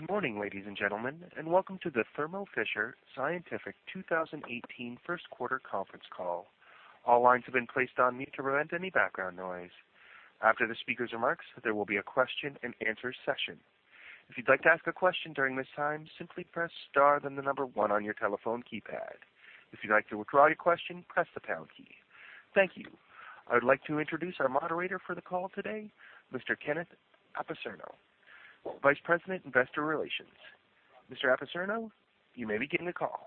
Good morning, ladies and gentlemen, and welcome to the Thermo Fisher Scientific 2018 first quarter conference call. All lines have been placed on mute to prevent any background noise. After the speaker's remarks, there will be a question and answer session. If you'd like to ask a question during this time, simply press star, then the number one on your telephone keypad. If you'd like to withdraw your question, press the pound key. Thank you. I would like to introduce our moderator for the call today, Mr. Kenneth Apicerno, Vice President, Investor Relations. Mr. Apicerno, you may begin the call.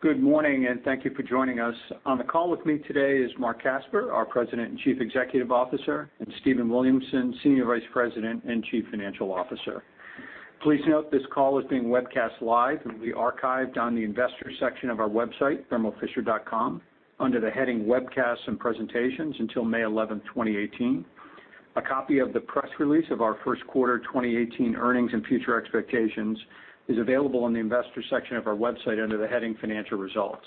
Good morning, and thank you for joining us. On the call with me today is Marc Casper, our President and Chief Executive Officer, and Stephen Williamson, Senior Vice President and Chief Financial Officer. Please note this call is being webcast live and will be archived on the investor section of our website, thermofisher.com, under the heading Webcasts and Presentations until May 11, 2018. A copy of the press release of our first quarter 2018 earnings and future expectations is available on the investor section of our website under the heading Financial Results.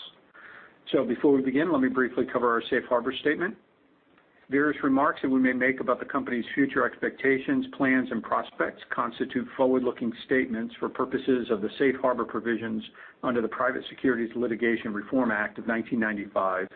Before we begin, let me briefly cover our safe harbor statement. Various remarks that we may make about the company's future expectations, plans, and prospects constitute forward-looking statements for purposes of the safe harbor provisions under the Private Securities Litigation Reform Act of 1995.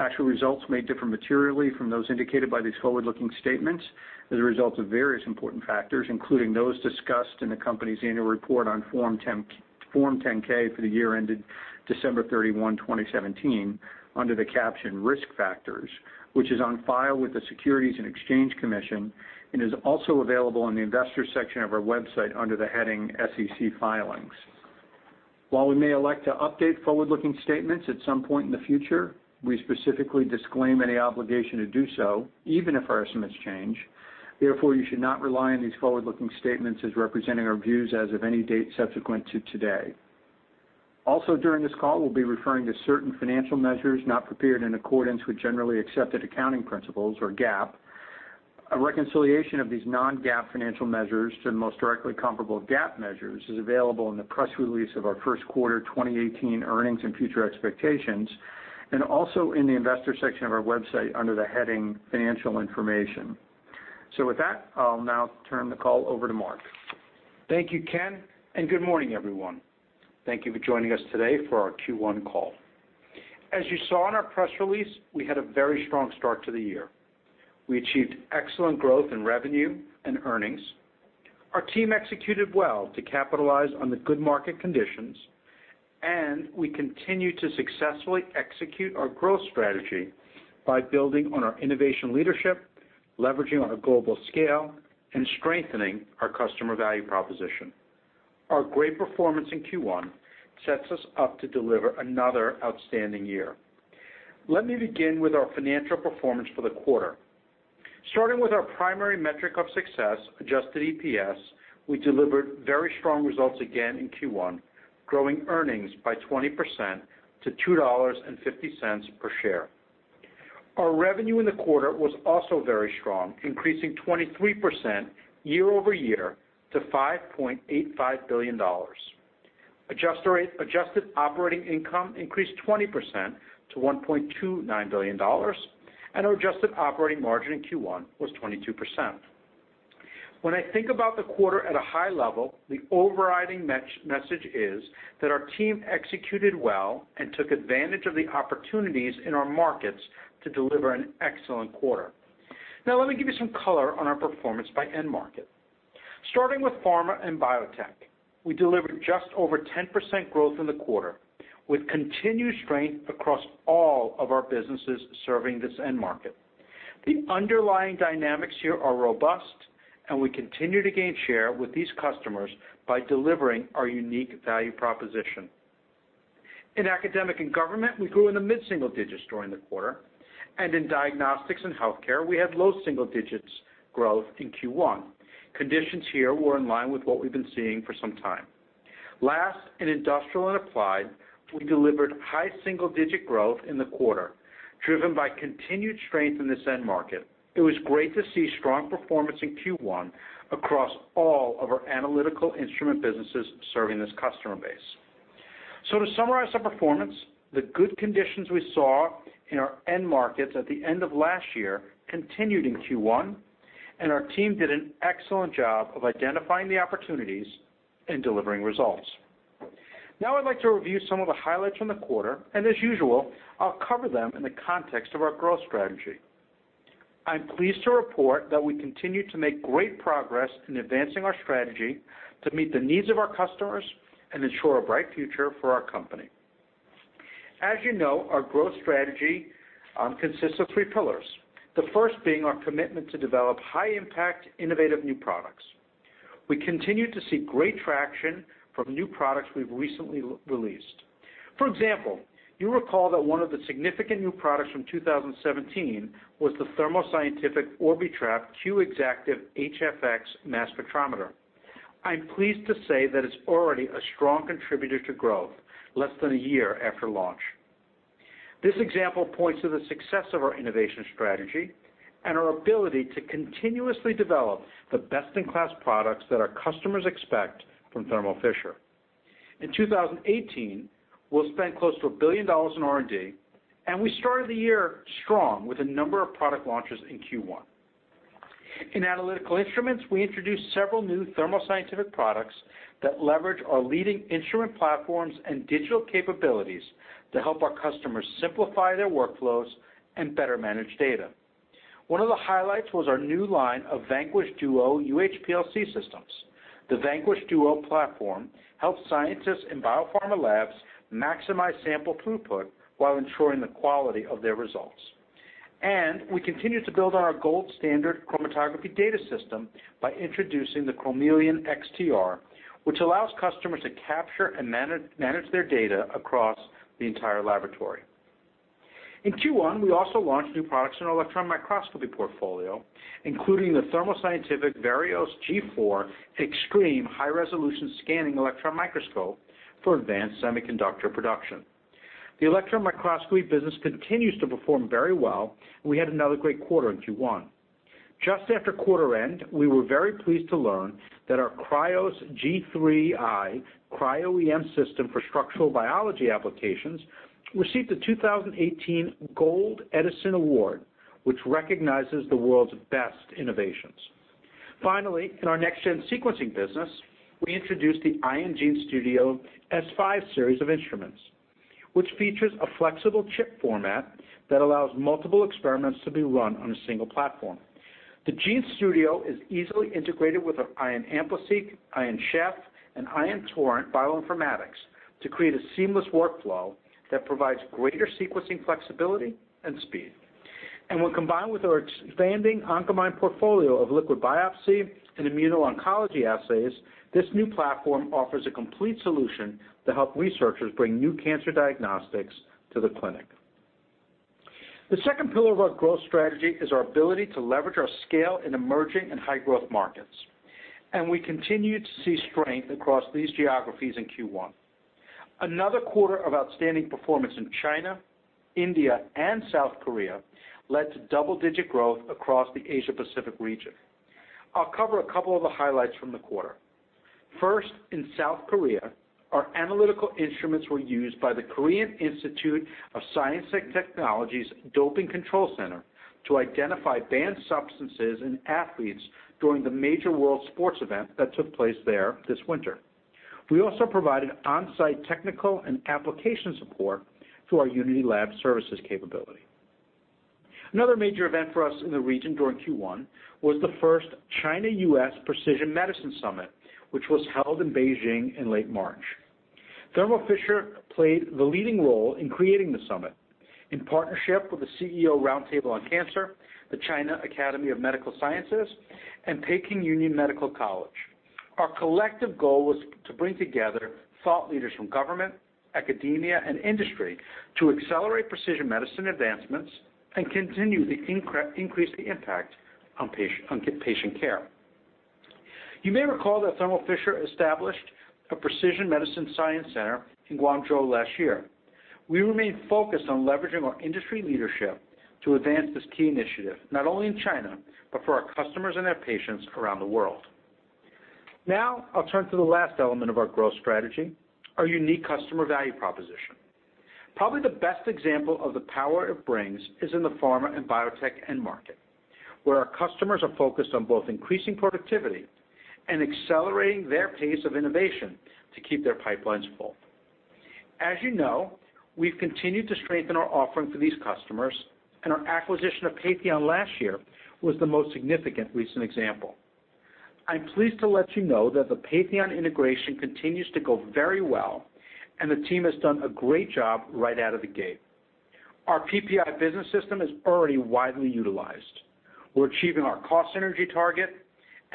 Actual results may differ materially from those indicated by these forward-looking statements as a result of various important factors, including those discussed in the company's annual report on Form 10-K for the year ended December 31, 2017, under the caption Risk Factors, which is on file with the Securities and Exchange Commission and is also available on the investor section of our website under the heading SEC Filings. While we may elect to update forward-looking statements at some point in the future, we specifically disclaim any obligation to do so, even if our estimates change. Therefore, you should not rely on these forward-looking statements as representing our views as of any date subsequent to today. Also during this call, we'll be referring to certain financial measures not prepared in accordance with generally accepted accounting principles or GAAP. A reconciliation of these non-GAAP financial measures to the most directly comparable GAAP measures is available in the press release of our first quarter 2018 earnings and future expectations, and also in the investor section of our website under the heading Financial Information. With that, I'll now turn the call over to Marc. Thank you, Ken, good morning, everyone. Thank you for joining us today for our Q1 call. As you saw in our press release, we had a very strong start to the year. We achieved excellent growth in revenue and earnings. Our team executed well to capitalize on the good market conditions, and we continue to successfully execute our growth strategy by building on our innovation leadership, leveraging on a global scale, and strengthening our customer value proposition. Our great performance in Q1 sets us up to deliver another outstanding year. Let me begin with our financial performance for the quarter. Starting with our primary metric of success, adjusted EPS, we delivered very strong results again in Q1, growing earnings by 20% to $2.50 per share. Our revenue in the quarter was also very strong, increasing 23% year-over-year to $5.85 billion. Adjusted operating income increased 20% to $1.29 billion, and our adjusted operating margin in Q1 was 22%. When I think about the quarter at a high level, the overriding message is that our team executed well and took advantage of the opportunities in our markets to deliver an excellent quarter. Let me give you some color on our performance by end market. Starting with pharma and biotech, we delivered just over 10% growth in the quarter, with continued strength across all of our businesses serving this end market. The underlying dynamics here are robust, and we continue to gain share with these customers by delivering our unique value proposition. In academic and government, we grew in the mid-single digits during the quarter, and in diagnostics and healthcare, we had low single digits growth in Q1. Conditions here were in line with what we've been seeing for some time. Last, in industrial and applied, we delivered high single-digit growth in the quarter, driven by continued strength in this end market. It was great to see strong performance in Q1 across all of our Analytical Instruments businesses serving this customer base. To summarize our performance, the good conditions we saw in our end markets at the end of last year continued in Q1, and our team did an excellent job of identifying the opportunities and delivering results. I'd like to review some of the highlights from the quarter, and as usual, I'll cover them in the context of our growth strategy. I'm pleased to report that we continue to make great progress in advancing our strategy to meet the needs of our customers and ensure a bright future for our company. As you know, our growth strategy consists of three pillars, the first being our commitment to develop high-impact, innovative new products. We continue to see great traction from new products we've recently released. For example, you'll recall that one of the significant new products from 2017 was the Thermo Scientific Orbitrap Q Exactive HFx mass spectrometer. I'm pleased to say that it's already a strong contributor to growth less than a year after launch. This example points to the success of our innovation strategy and our ability to continuously develop the best-in-class products that our customers expect from Thermo Fisher. In 2018, we'll spend close to $1 billion in R&D, and we started the year strong with a number of product launches in Q1. In Analytical Instruments, we introduced several new Thermo Scientific products that leverage our leading instrument platforms and digital capabilities to help our customers simplify their workflows and better manage data. One of the highlights was our new line of Vanquish Duo UHPLC systems. The Vanquish Duo platform helps scientists in biopharma labs maximize sample throughput while ensuring the quality of their results. We continued to build on our gold standard chromatography data system by introducing the Chromeleon XTR, which allows customers to capture and manage their data across the entire laboratory. In Q1, we also launched new products in our electron microscopy portfolio, including the Thermo Scientific Verios G4 Xtreme High-Resolution Scanning Electron Microscope for advanced semiconductor production. The electron microscopy business continues to perform very well. We had another great quarter in Q1. Just after quarter end, we were very pleased to learn that our Krios G3i Cryo-EM system for structural biology applications received the 2018 Gold Edison Award, which recognizes the world's best innovations. Finally, in our next-gen sequencing business, we introduced the Ion GeneStudio S5 series of instruments, which features a flexible chip format that allows multiple experiments to be run on a single platform. The GeneStudio is easily integrated with our Ion AmpliSeq, Ion Chef, and Ion Torrent bioinformatics to create a seamless workflow that provides greater sequencing flexibility and speed. When combined with our expanding Oncomine portfolio of liquid biopsy and immuno-oncology assays, this new platform offers a complete solution to help researchers bring new cancer diagnostics to the clinic. The second pillar of our growth strategy is our ability to leverage our scale in emerging and high-growth markets. We continued to see strength across these geographies in Q1. Another quarter of outstanding performance in China, India, and South Korea led to double-digit growth across the Asia-Pacific region. I will cover a couple of the highlights from the quarter. First, in South Korea, our Analytical Instruments were used by the Korea Institute of Science and Technology's Doping Control Center to identify banned substances in athletes during the major world sports event that took place there this winter. We also provided on-site technical and application support through our Unity Lab Services capability. Another major event for us in the region during Q1 was the first China-U.S. Precision Medicine Summit, which was held in Beijing in late March. Thermo Fisher played the leading role in creating the summit in partnership with the CEO Roundtable on Cancer, the Chinese Academy of Medical Sciences, and Peking Union Medical College. Our collective goal was to bring together thought leaders from government, academia, and industry to accelerate precision medicine advancements and continue to increase the impact on patient care. You may recall that Thermo Fisher established a precision medicine science center in Guangzhou last year. We remain focused on leveraging our industry leadership to advance this key initiative, not only in China, but for our customers and their patients around the world. Now, I'll turn to the last element of our growth strategy, our unique customer value proposition. Probably the best example of the power it brings is in the pharma and biotech end market, where our customers are focused on both increasing productivity and accelerating their pace of innovation to keep their pipelines full. As you know, we've continued to strengthen our offering for these customers, and our acquisition of Patheon last year was the most significant recent example. I'm pleased to let you know that the Patheon integration continues to go very well, the team has done a great job right out of the gate. Our PPI business system is already widely utilized. We're achieving our cost synergy target,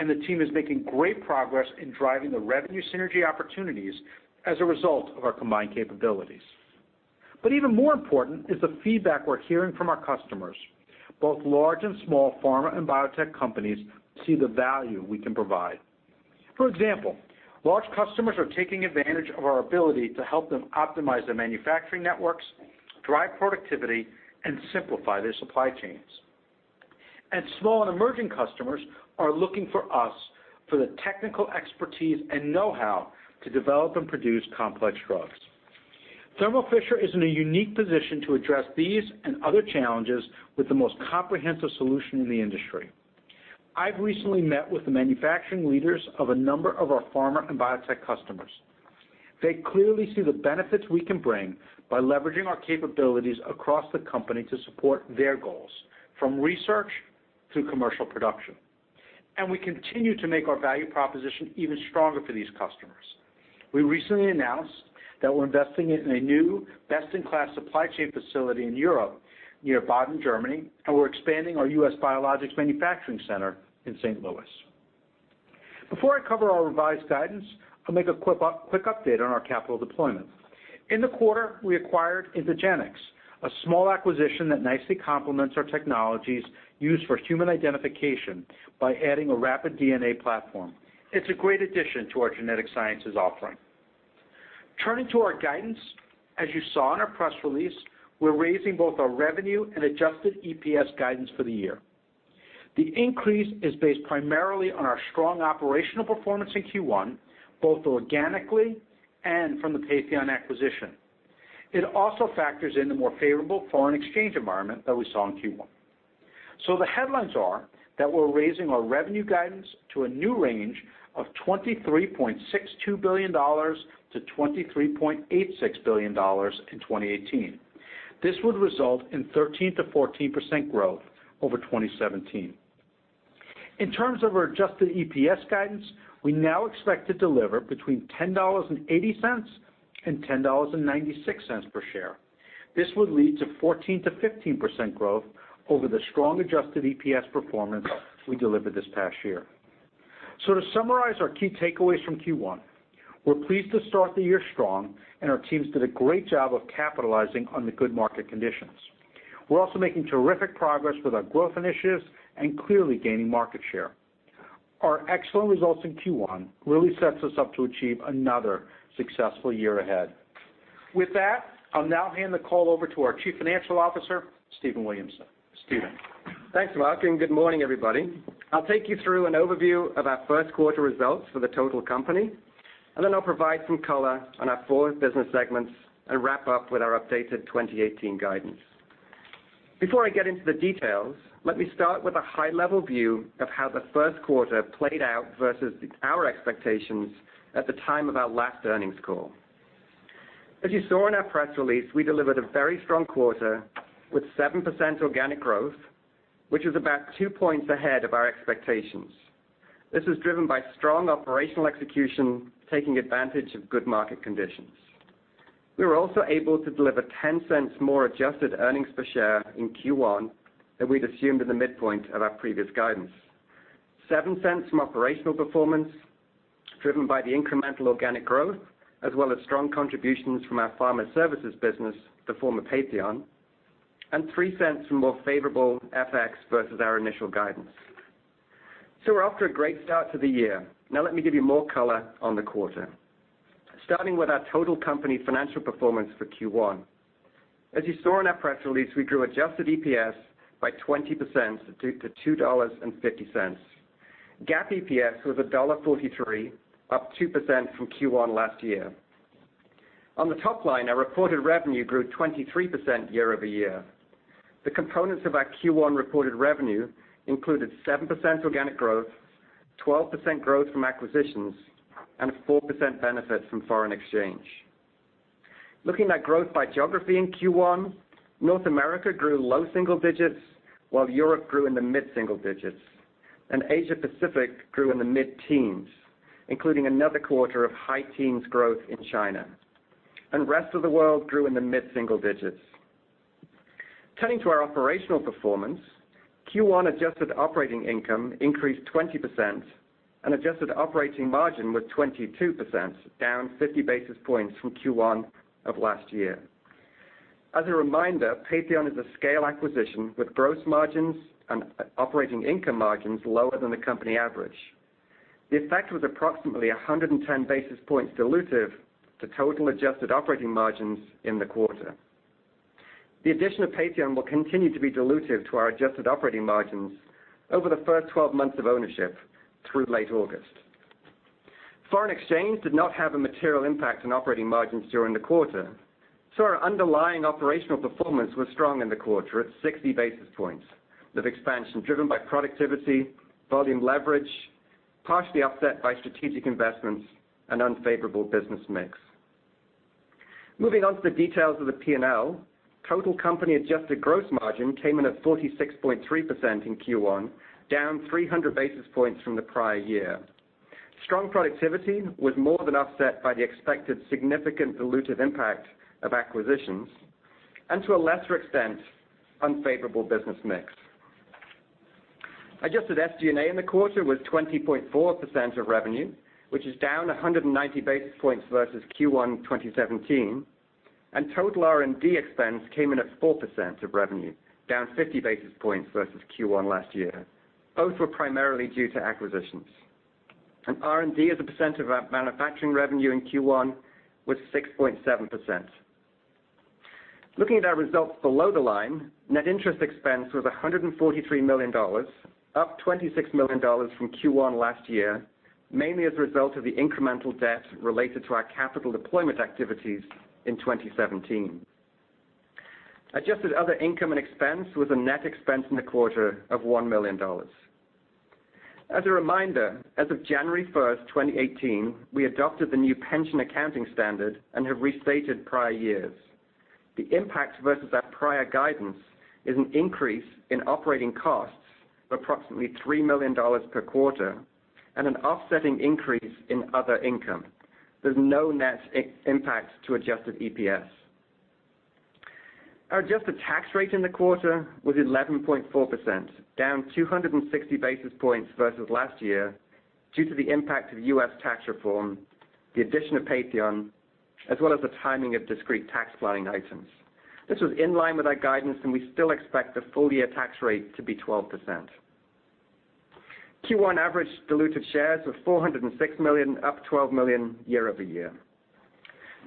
the team is making great progress in driving the revenue synergy opportunities as a result of our combined capabilities. Even more important is the feedback we're hearing from our customers, both large and small pharma and biotech companies see the value we can provide. For example, large customers are taking advantage of our ability to help them optimize their manufacturing networks, drive productivity, and simplify their supply chains. Small and emerging customers are looking for us for the technical expertise and know-how to develop and produce complex drugs. Thermo Fisher is in a unique position to address these and other challenges with the most comprehensive solution in the industry. I've recently met with the manufacturing leaders of a number of our pharma and biotech customers. They clearly see the benefits we can bring by leveraging our capabilities across the company to support their goals, from research through commercial production. We continue to make our value proposition even stronger for these customers. We recently announced that we're investing in a new best-in-class supply chain facility in Europe, near Baden, Germany, and we're expanding our U.S. biologics manufacturing center in St. Louis. Before I cover our revised guidance, I'll make a quick update on our capital deployment. In the quarter, we acquired IntegenX, a small acquisition that nicely complements our technologies used for human identification by adding a rapid DNA platform. It's a great addition to our genetic sciences offering. Turning to our guidance, as you saw in our press release, we're raising both our revenue and adjusted EPS guidance for the year. The increase is based primarily on our strong operational performance in Q1, both organically and from the Patheon acquisition. It also factors in the more favorable foreign exchange environment that we saw in Q1. The headlines are that we're raising our revenue guidance to a new range of $23.62 billion-$23.86 billion in 2018. This would result in 13%-14% growth over 2017. In terms of our adjusted EPS guidance, we now expect to deliver between $10.80 and $10.96 per share. This would lead to 14%-15% growth over the strong adjusted EPS performance we delivered this past year. To summarize our key takeaways from Q1, we're pleased to start the year strong, our teams did a great job of capitalizing on the good market conditions. We're also making terrific progress with our growth initiatives and clearly gaining market share. Our excellent results in Q1 really sets us up to achieve another successful year ahead. With that, I'll now hand the call over to our Chief Financial Officer, Stephen Williamson. Stephen? Thanks, Marc, good morning, everybody. I'll take you through an overview of our first quarter results for the total company. I'll provide some color on our four business segments and wrap up with our updated 2018 guidance. Before I get into the details, let me start with a high-level view of how the first quarter played out versus our expectations at the time of our last earnings call. As you saw in our press release, we delivered a very strong quarter with 7% organic growth, which is about two points ahead of our expectations. This was driven by strong operational execution, taking advantage of good market conditions. We were also able to deliver $0.10 more adjusted EPS in Q1 than we'd assumed at the midpoint of our previous guidance. $0.07 from operational performance, driven by the incremental organic growth, as well as strong contributions from our Pharma Services business, the former Patheon, and $0.03 from more favorable FX versus our initial guidance. We're off to a great start to the year. Let me give you more color on the quarter. Starting with our total company financial performance for Q1. As you saw in our press release, we grew adjusted EPS by 20% to $2.50. GAAP EPS was $1.43, up 2% from Q1 last year. On the top line, our reported revenue grew 23% year-over-year. The components of our Q1 reported revenue included 7% organic growth, 12% growth from acquisitions, and a 4% benefit from foreign exchange. Looking at growth by geography in Q1, North America grew low single digits, while Europe grew in the mid single digits. Asia Pacific grew in the mid teens, including another quarter of high teens growth in China. Rest of the world grew in the mid single digits. Turning to our operational performance, Q1 adjusted operating income increased 20%. Adjusted operating margin was 22%, down 50 basis points from Q1 of last year. As a reminder, Patheon is a scale acquisition with gross margins and operating income margins lower than the company average. The effect was approximately 110 basis points dilutive to total adjusted operating margins in the quarter. The addition of Patheon will continue to be dilutive to our adjusted operating margins over the first 12 months of ownership through late August. Foreign exchange did not have a material impact on operating margins during the quarter, our underlying operational performance was strong in the quarter at 60 basis points of expansion, driven by productivity, volume leverage, partially offset by strategic investments and unfavorable business mix. Moving on to the details of the P&L, total company adjusted gross margin came in at 46.3% in Q1, down 300 basis points from the prior year. Strong productivity was more than offset by the expected significant dilutive impact of acquisitions, and to a lesser extent, unfavorable business mix. Adjusted SG&A in the quarter was 20.4% of revenue, which is down 190 basis points versus Q1 2017. Total R&D expense came in at 4% of revenue, down 50 basis points versus Q1 last year. Both were primarily due to acquisitions. R&D as a percent of our manufacturing revenue in Q1 was 6.7%. Looking at our results below the line, net interest expense was $143 million, up $26 million from Q1 last year, mainly as a result of the incremental debt related to our capital deployment activities in 2017. Adjusted other income and expense was a net expense in the quarter of $1 million. As a reminder, as of January 1st, 2018, we adopted the new pension accounting standard and have restated prior years. The impact versus our prior guidance is an increase in operating costs of approximately $3 million per quarter and an offsetting increase in other income. There's no net impact to adjusted EPS. Our adjusted tax rate in the quarter was 11.4%, down 260 basis points versus last year due to the impact of U.S. tax reform, the addition of Patheon, as well as the timing of discrete tax planning items. This was in line with our guidance, we still expect the full-year tax rate to be 12%. Q1 average diluted shares was 406 million, up 12 million year-over-year.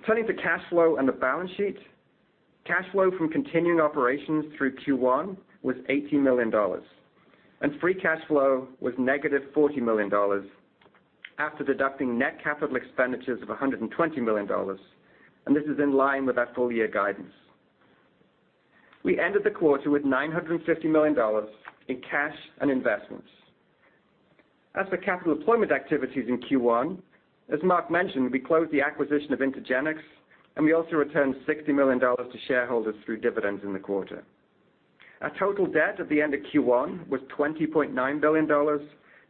Turning to cash flow and the balance sheet. Cash flow from continuing operations through Q1 was $80 million. Free cash flow was negative $40 million after deducting net capital expenditures of $120 million, and this is in line with our full-year guidance. We ended the quarter with $950 million in cash and investments. As for capital deployment activities in Q1, as Marc mentioned, we closed the acquisition of IntegenX, and we also returned $60 million to shareholders through dividends in the quarter. Our total debt at the end of Q1 was $20.9 billion,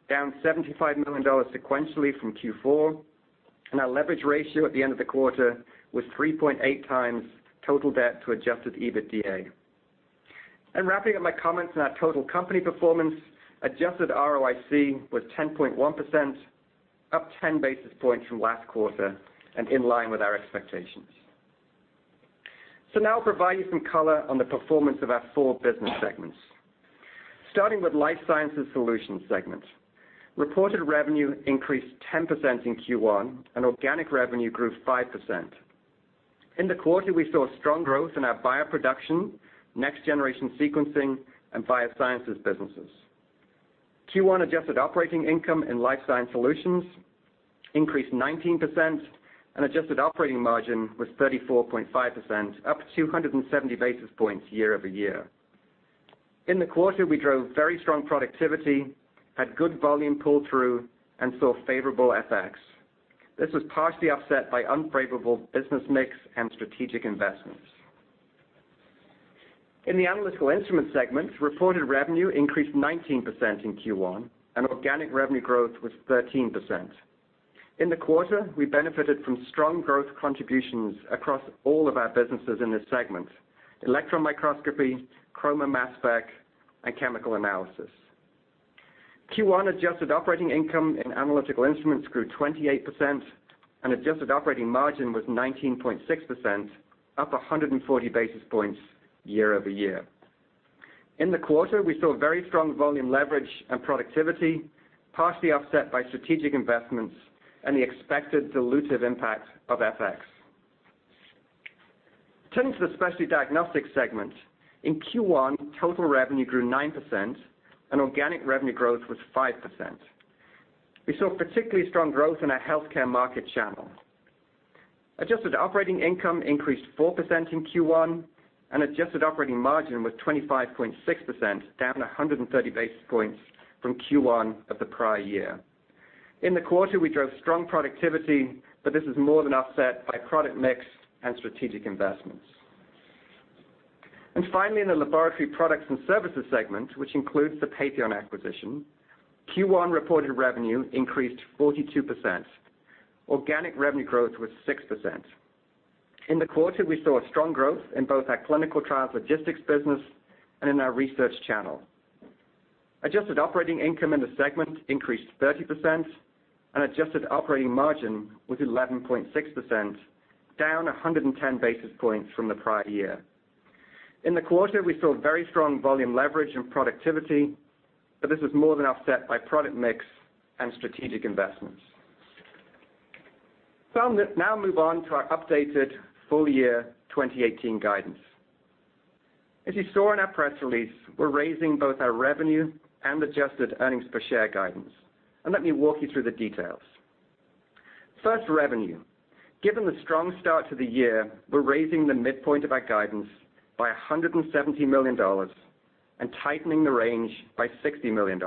down $75 million sequentially from Q4, and our leverage ratio at the end of the quarter was 3.8 times total debt to adjusted EBITDA. Wrapping up my comments on our total company performance, adjusted ROIC was 10.1%, up 10 basis points from last quarter and in line with our expectations. Now I'll provide you some color on the performance of our four business segments. Starting with Life Sciences Solutions segment. Reported revenue increased 10% in Q1, and organic revenue grew 5%. In the quarter, we saw strong growth in our bioproduction, next-generation sequencing, and biosciences businesses. Q1 adjusted operating income in Life Sciences Solutions increased 19%, and adjusted operating margin was 34.5%, up 270 basis points year-over-year. In the quarter, we drove very strong productivity, had good volume pull-through, and saw favorable FX. This was partially offset by unfavorable business mix and strategic investments. In the Analytical Instruments segment, reported revenue increased 19% in Q1, and organic revenue growth was 13%. In the quarter, we benefited from strong growth contributions across all of our businesses in this segment: electron microscopy, chroma/mass spec, and chemical analysis. Q1 adjusted operating income in Analytical Instruments grew 28%, and adjusted operating margin was 19.6%, up 140 basis points year-over-year. In the quarter, we saw very strong volume leverage and productivity, partially offset by strategic investments and the expected dilutive impact of FX. Turning to the Specialty Diagnostics segment. In Q1, total revenue grew 9%, and organic revenue growth was 5%. We saw particularly strong growth in our healthcare market channel. Adjusted operating income increased 4% in Q1, and adjusted operating margin was 25.6%, down 130 basis points from Q1 of the prior year. This was more than offset by product mix and strategic investments. Finally, in the Laboratory Products and Services segment, which includes the Patheon acquisition, Q1 reported revenue increased 42%. Organic revenue growth was 6%. In the quarter, we saw strong growth in both our clinical trials logistics business and in our research channel. Adjusted operating income in the segment increased 30%, and adjusted operating margin was 11.6%, down 110 basis points from the prior year. In the quarter, we saw very strong volume leverage and productivity, this was more than offset by product mix and strategic investments. I'll now move on to our updated full-year 2018 guidance. As you saw in our press release, we're raising both our revenue and adjusted earnings-per-share guidance. Let me walk you through the details. First, revenue. Given the strong start to the year, we're raising the midpoint of our guidance by $170 million and tightening the range by $60 million.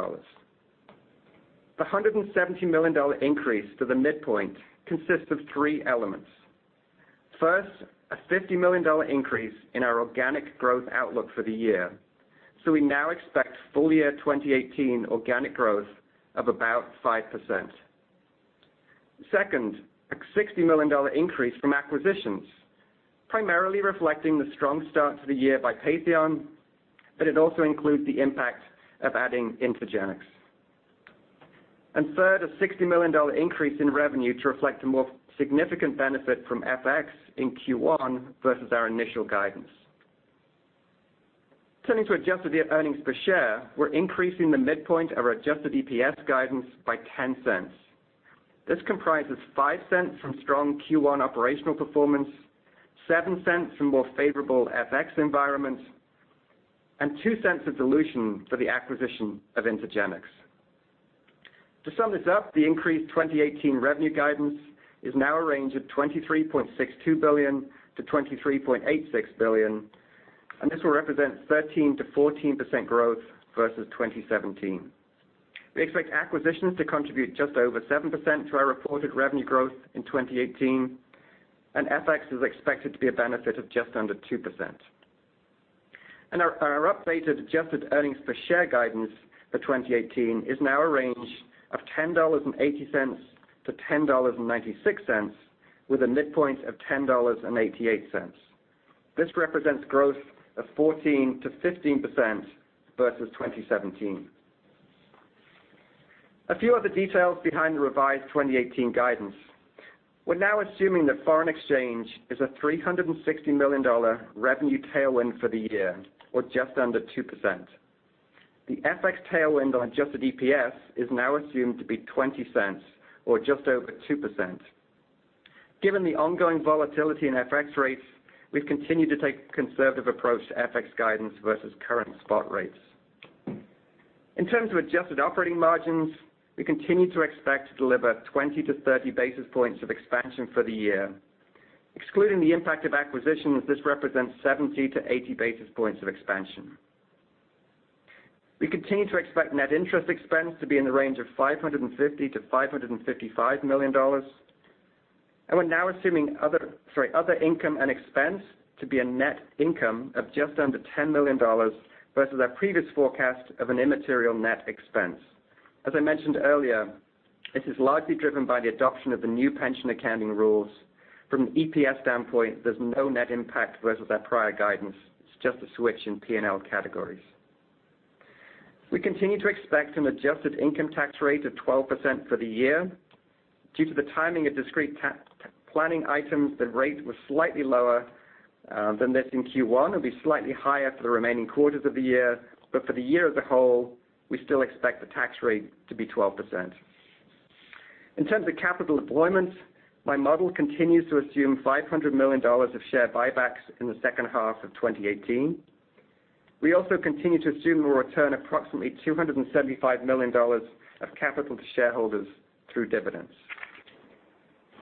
The $170 million increase to the midpoint consists of three elements. First, a $50 million increase in our organic growth outlook for the year, we now expect full-year 2018 organic growth of about 5%. Second, a $60 million increase from acquisitions, primarily reflecting the strong start to the year by Patheon, it also includes the impact of adding IntegenX. Third, a $60 million increase in revenue to reflect a more significant benefit from FX in Q1 versus our initial guidance. Turning to adjusted earnings per share, we're increasing the midpoint of our adjusted EPS guidance by $0.10. This comprises $0.05 from strong Q1 operational performance, $0.07 from more favorable FX environment, and $0.02 of dilution for the acquisition of IntegenX. To sum this up, the increased 2018 revenue guidance is now a range of $23.62 billion-$23.86 billion, this will represent 13%-14% growth versus 2017. We expect acquisitions to contribute just over 7% to our reported revenue growth in 2018, FX is expected to be a benefit of just under 2%. Our updated adjusted earnings per share guidance for 2018 is now a range of $10.80-$10.96, with a midpoint of $10.88. This represents growth of 14%-15% versus 2017. A few other details behind the revised 2018 guidance. We're now assuming that foreign exchange is a $360 million revenue tailwind for the year or just under 2%. The FX tailwind on adjusted EPS is now assumed to be $0.20 or just over 2%. Given the ongoing volatility in FX rates, we've continued to take a conservative approach to FX guidance versus current spot rates. In terms of adjusted operating margins, we continue to expect to deliver 20-30 basis points of expansion for the year. Excluding the impact of acquisitions, this represents 70-80 basis points of expansion. We continue to expect net interest expense to be in the range of $550 million-$555 million, we're now assuming other income and expense to be a net income of just under $10 million versus our previous forecast of an immaterial net expense. As I mentioned earlier, this is largely driven by the adoption of the new pension accounting rules. From an EPS standpoint, there's no net impact versus our prior guidance. It's just a switch in P&L categories. We continue to expect an adjusted income tax rate of 12% for the year. Due to the timing of discrete planning items, the rate was slightly lower than this in Q1 and will be slightly higher for the remaining quarters of the year. For the year as a whole, we still expect the tax rate to be 12%. In terms of capital deployment, my model continues to assume $500 million of share buybacks in the second half of 2018. We also continue to assume we'll return approximately $275 million of capital to shareholders through dividends.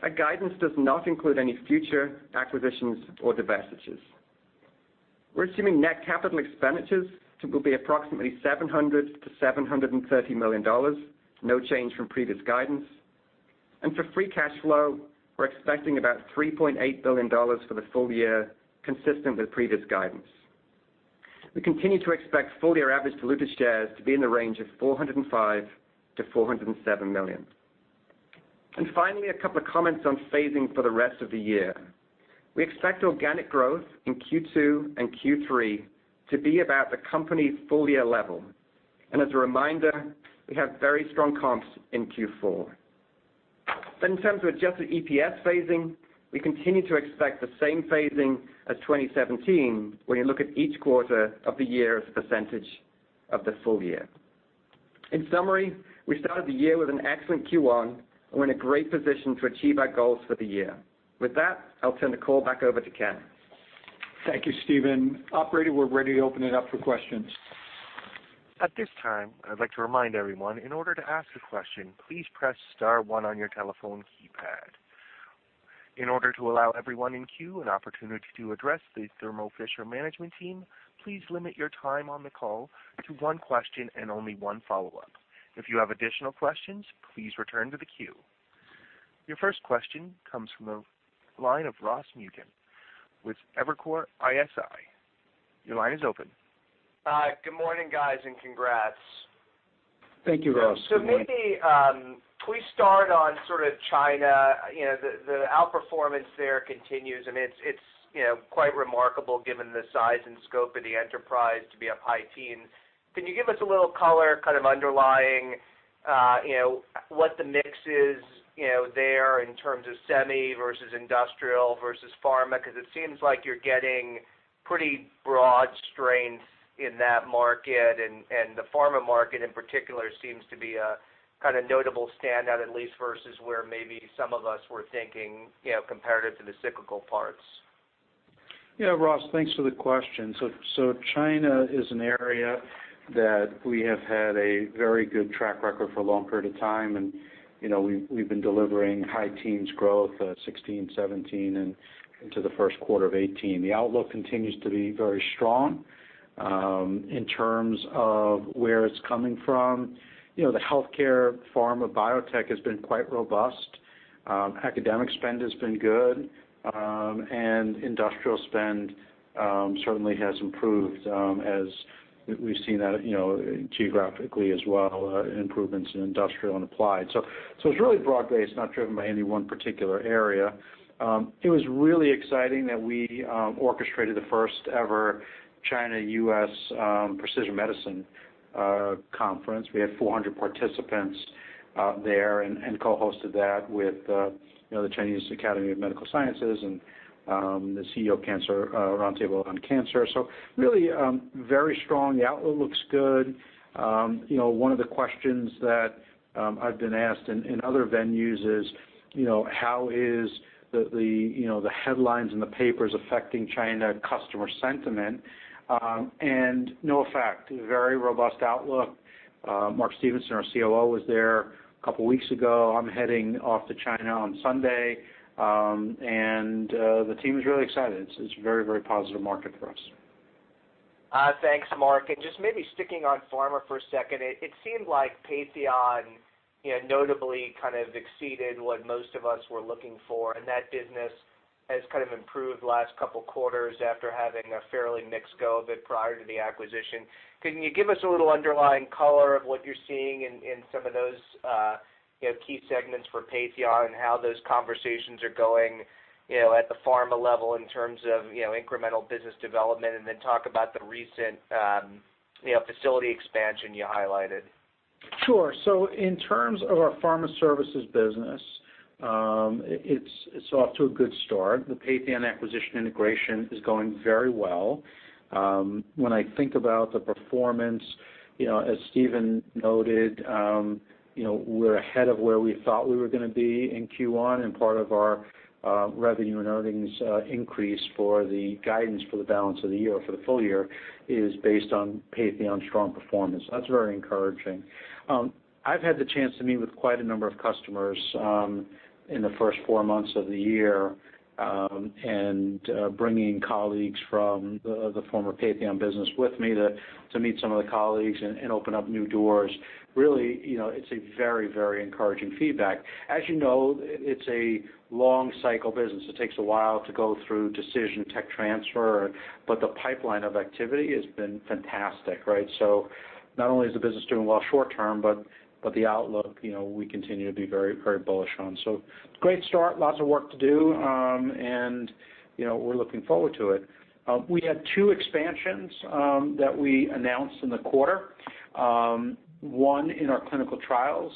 Our guidance does not include any future acquisitions or divestitures. We're assuming net capital expenditures to be approximately $700 million-$730 million, no change from previous guidance. For free cash flow, we're expecting about $3.8 billion for the full year, consistent with previous guidance. We continue to expect full-year average diluted shares to be in the range of 405 million-407 million. Finally, two comments on phasing for the rest of the year. We expect organic growth in Q2 and Q3 to be about the company's full-year level. As a reminder, we have very strong comps in Q4. In terms of adjusted EPS phasing, we continue to expect the same phasing as 2017 when you look at each quarter of the year as a percentage of the full year. In summary, we started the year with an excellent Q1, and we're in a great position to achieve our goals for the year. With that, I'll turn the call back over to Ken. Thank you, Stephen. Operator, we're ready to open it up for questions. At this time, I'd like to remind everyone, in order to ask a question, please press star one on your telephone keypad. In order to allow everyone in queue an opportunity to address the Thermo Fisher Scientific management team, please limit your time on the call to one question and only one follow-up. If you have additional questions, please return to the queue. Your first question comes from the line of Ross Muken with Evercore ISI. Your line is open. Good morning, guys. Congrats. Thank you, Ross. Good morning. Maybe can we start on China. The outperformance there continues, and it's quite remarkable given the size and scope of the enterprise to be up high teens. Can you give us a little color, kind of underlying, what the mix is there in terms of semi versus industrial versus pharma? Because it seems like you're getting pretty broad strength in that market, and the pharma market in particular seems to be a notable standout, at least versus where maybe some of us were thinking, comparative to the cyclical parts. Yeah, Ross, thanks for the question. China is an area that we have had a very good track record for a long period of time, and we've been delivering high teens growth, 2016, 2017, and into the first quarter of 2018. The outlook continues to be very strong. In terms of where it's coming from, the healthcare pharma biotech has been quite robust. Academic spend has been good, and industrial spend certainly has improved as we've seen that geographically as well, improvements in industrial and applied. It's really broad-based, not driven by any one particular area. It was really exciting that we orchestrated the first-ever China-U.S. Precision Medicine conference. We had 400 participants there and co-hosted that with the Chinese Academy of Medical Sciences and the CEO Roundtable on Cancer. Really very strong. The outlook looks good. One of the questions that I've been asked in other venues is how is the headlines and the papers affecting China customer sentiment? No effect, very robust outlook. Mark Stevenson, our COO, was there a couple of weeks ago. I'm heading off to China on Sunday, and the team is really excited. It's a very, very positive market for us. Thanks, Mark. Just maybe sticking on pharma for a second, it seemed like Patheon notably kind of exceeded what most of us were looking for, and that business has kind of improved the last couple of quarters after having a fairly mixed go of it prior to the acquisition. Can you give us a little underlying color of what you're seeing in some of those key segments for Patheon and how those conversations are going at the pharma level in terms of incremental business development, and then talk about the recent facility expansion you highlighted? Sure. In terms of our pharma services business, it's off to a good start. The Patheon acquisition integration is going very well. When I think about the performance, as Stephen Williamson noted, we're ahead of where we thought we were going to be in Q1, and part of our revenue and earnings increase for the guidance for the balance of the year, for the full year, is based on Patheon's strong performance. That's very encouraging. I've had the chance to meet with quite a number of customers in the first four months of the year, bringing colleagues from the former Patheon business with me to meet some of the colleagues and open up new doors. It's a very encouraging feedback. As you know, it's a long cycle business. It takes a while to go through decision tech transfer, but the pipeline of activity has been fantastic, right? Not only is the business doing well short term, but the outlook, we continue to be very bullish on. Great start, lots of work to do, and we're looking forward to it. We had two expansions that we announced in the quarter. One in our clinical trials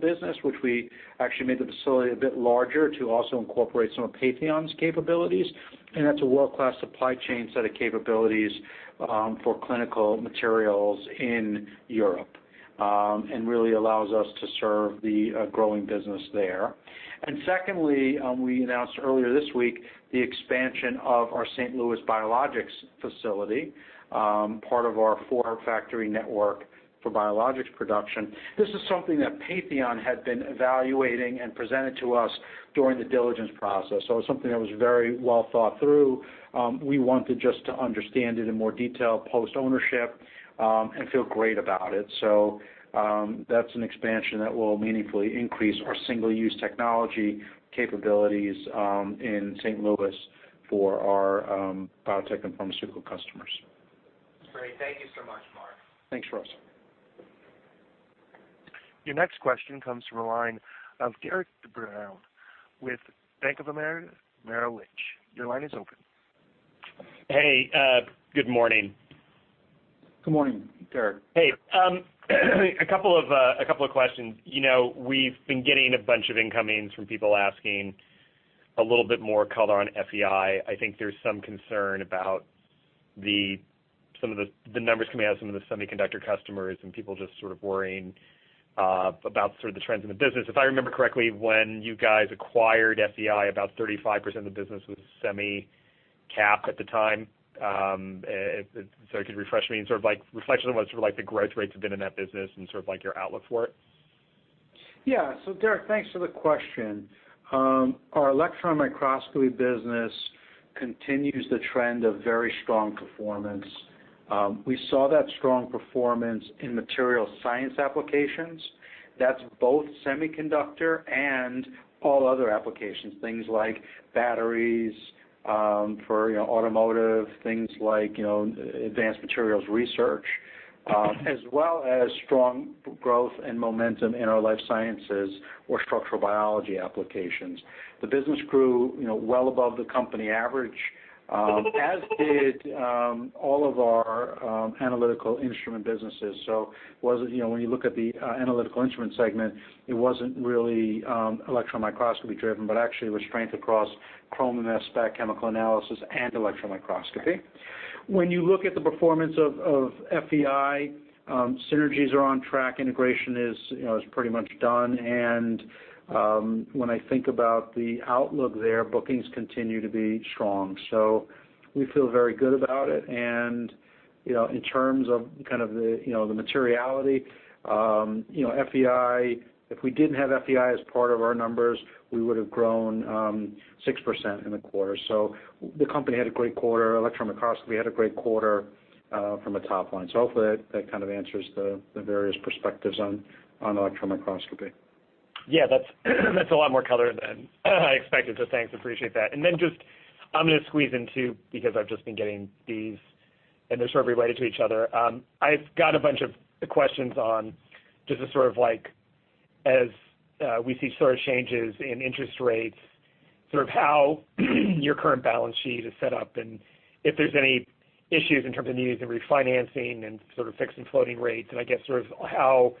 business, which we actually made the facility a bit larger to also incorporate some of Patheon's capabilities, and that's a world-class supply chain set of capabilities for clinical materials in Europe, and really allows us to serve the growing business there. Secondly, we announced earlier this week, the expansion of our St. Louis biologics facility, part of our four factory network for biologics production. This is something that Patheon had been evaluating and presented to us during the diligence process. It was something that was very well thought through. We wanted just to understand it in more detail post-ownership, and feel great about it. That's an expansion that will meaningfully increase our single-use technology capabilities in St. Louis for our biotech and pharmaceutical customers. Great. Thank you so much, Mark. Thanks, Ross. Your next question comes from the line of Derik de Bruin with Bank of America Merrill Lynch. Your line is open. Hey, good morning. Good morning, Derik. Hey. A couple of questions. We've been getting a bunch of incomings from people asking a little bit more color on FEI. I think there's some concern about some of the numbers coming out of some of the semiconductor customers, and people just sort of worrying about the trends in the business. If I remember correctly, when you guys acquired FEI, about 35% of the business was semi-cap at the time. If you could refresh me, and sort of reflection on what sort of the growth rates have been in that business and your outlook for it? Yeah. Derik, thanks for the question. Our electron microscopy business continues the trend of very strong performance. We saw that strong performance in material science applications. That's both semiconductor and all other applications, things like batteries for automotive, things like advanced materials research, as well as strong growth and momentum in our life sciences or structural biology applications. The business grew well above the company average, as did all of our Analytical Instruments businesses. When you look at the Analytical Instruments segment, it wasn't really electron microscopy driven, but actually it was strength across chrome and mass spec chemical analysis and electron microscopy. When you look at the performance of FEI, synergies are on track, integration is pretty much done, and when I think about the outlook there, bookings continue to be strong. We feel very good about it, in terms of the materiality, if we didn't have FEI as part of our numbers, we would've grown 6% in the quarter. The company had a great quarter. Electron microscopy had a great quarter, from a top line. Hopefully that kind of answers the various perspectives on electron microscopy. Yeah. That's a lot more color than I expected, thanks, appreciate that. Just, I'm going to squeeze in two because I've just been getting these, and they're sort of related to each other. I've got a bunch of questions on just as we see changes in interest rates, sort of how your current balance sheet is set up, and if there's any issues in terms of needing to refinancing and sort of fixing floating rates, and I guess how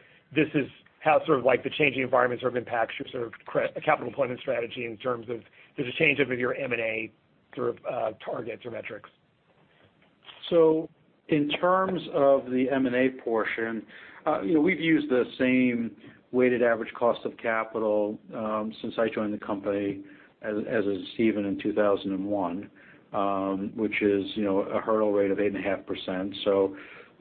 the changing environment sort of impacts your sort of capital deployment strategy in terms of, does it change any of your M&A targets or metrics? In terms of the M&A portion, we've used the same weighted average cost of capital since I joined the company, as has Stephen in 2001, which is a hurdle rate of 8.5%.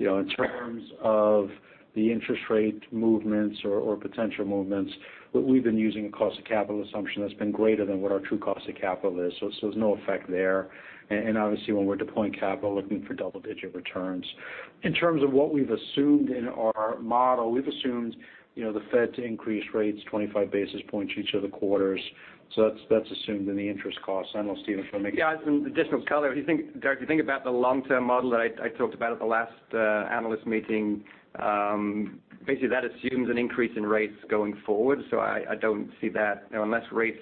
In terms of the interest rate movements or potential movements, we've been using a cost of capital assumption that's been greater than what our true cost of capital is, there's no effect there. Obviously when we're deploying capital, looking for double-digit returns. In terms of what we've assumed in our model, we've assumed the Fed to increase rates 25 basis points each of the quarters. That's assumed in the interest cost. I don't know, Stephen, if you want to make- Yeah. Some additional color. If you think, Derik, if you think about the long-term model that I talked about at the last analyst meeting, basically that assumes an increase in rates going forward. I don't see that, unless rates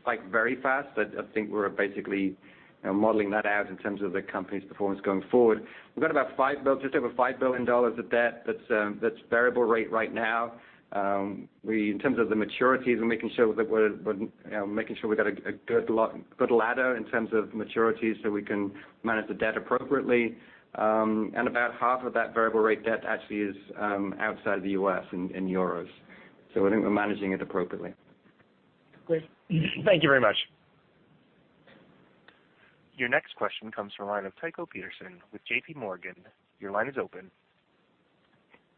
spike very fast, but I think we're basically modeling that out in terms of the company's performance going forward. We've got just over $5 billion of debt that's variable rate right now. In terms of the maturities, we're making sure we've got a good ladder in terms of maturities so we can manage the debt appropriately. About half of that variable rate debt actually is outside the U.S. in EUR. I think we're managing it appropriately. Great. Thank you very much. Your next question comes from the line of Tycho Peterson with JPMorgan. Your line is open.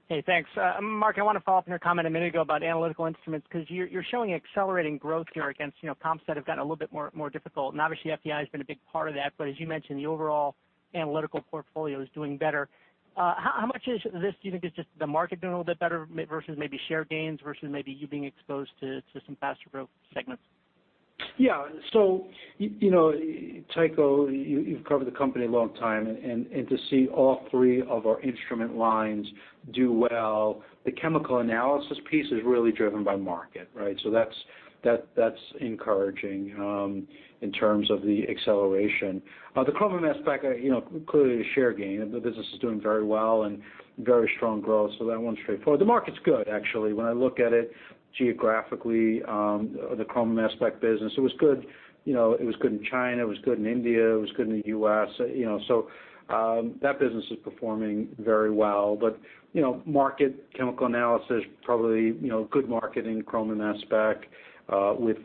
Hey, thanks. Marc, I want to follow up on your comment a minute ago about Analytical Instruments, because you're showing accelerating growth here against comps that have gotten a little bit more difficult, and obviously, FEI has been a big part of that. As you mentioned, the overall analytical portfolio is doing better. How much of this do you think is just the market doing a little bit better, versus maybe share gains, versus maybe you being exposed to some faster growth segments? Yeah. Tycho, you've covered the company a long time, to see all three of our instrument lines do well, the chemical analysis piece is really driven by market, right? That's encouraging in terms of the acceleration. The chromatography and mass spec, clearly a share gain. The business is doing very well and very strong growth, that one's straightforward. The market's good, actually. When I look at it geographically, the chromatography and mass spec business, it was good in China, it was good in India, it was good in the U.S. That business is performing very well. Market chemical analysis, probably good market in chromatography and mass spec with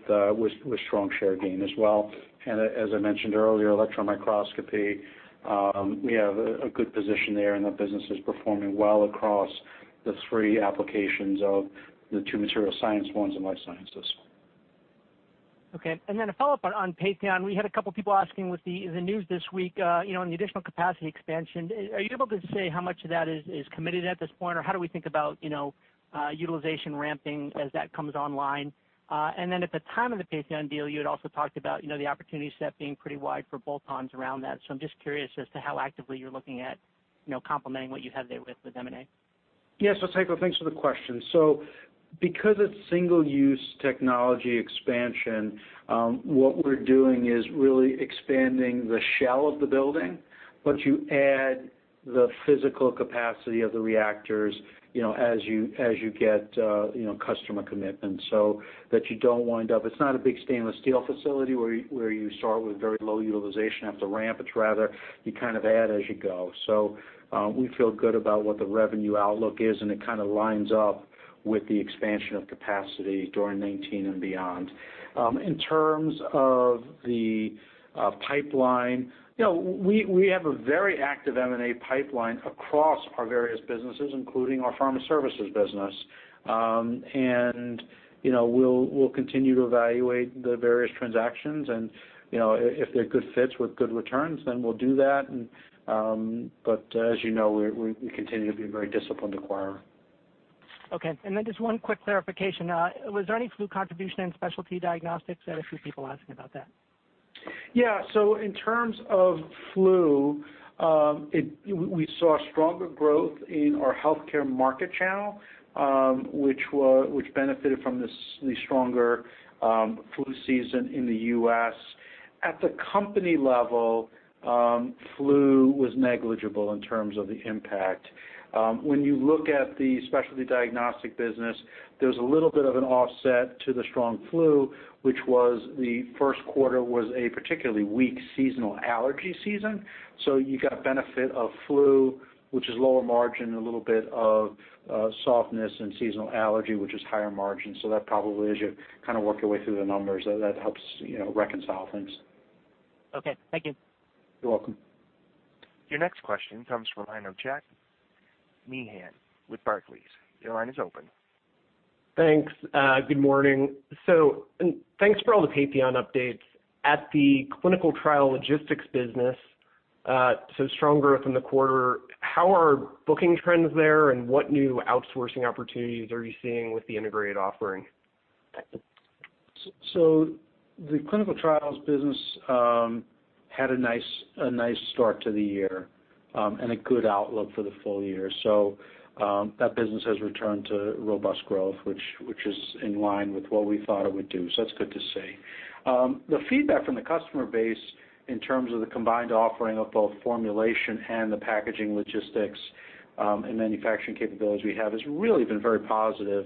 strong share gain as well. As I mentioned earlier, electron microscopy, we have a good position there, and the business is performing well across the three applications of the two material science ones and life sciences. Okay. A follow-up on Patheon. We had two people asking with the news this week, on the additional capacity expansion. Are you able to say how much of that is committed at this point? How do we think about utilization ramping as that comes online? At the time of the Patheon deal, you had also talked about the opportunity set being pretty wide for bolt-ons around that. I'm just curious as to how actively you're looking at complementing what you have there with M&A. Yeah. Tycho, thanks for the question. Because it's single-use technology expansion, what we're doing is really expanding the shell of the building, but you add the physical capacity of the reactors as you get customer commitment. It's not a big stainless steel facility where you start with very low utilization, have to ramp. It's rather, you kind of add as you go. We feel good about what the revenue outlook is, and it kind of lines up with the expansion of capacity during 2019 and beyond. In terms of the pipeline, we have a very active M&A pipeline across our various businesses, including our pharma services business. We'll continue to evaluate the various transactions, and if they're good fits with good returns, then we'll do that. As you know, we continue to be a very disciplined acquirer. Okay. Just one quick clarification. Was there any flu contribution in Specialty Diagnostics? I had a few people asking about that. In terms of flu, we saw stronger growth in our healthcare market channel, which benefited from the stronger flu season in the U.S. At the company level, flu was negligible in terms of the impact. When you look at the Specialty Diagnostics business, there's a little bit of an offset to the strong flu, which was the first quarter was a particularly weak seasonal allergy season. You got benefit of flu, which is lower margin, a little bit of softness and seasonal allergy, which is higher margin. That probably, as you kind of work your way through the numbers, that helps reconcile things. Okay. Thank you. You're welcome. Your next question comes from the line of Jack Meehan with Barclays. Your line is open. Thanks. Good morning. Thanks for all the Patheon updates. At the clinical trial logistics business, strong growth in the quarter. How are booking trends there, and what new outsourcing opportunities are you seeing with the integrated offering? The clinical trials business had a nice start to the year, and a good outlook for the full year. That business has returned to robust growth, which is in line with what we thought it would do. That's good to see. The feedback from the customer base in terms of the combined offering of both formulation and the packaging logistics and manufacturing capabilities we have has really been very positive.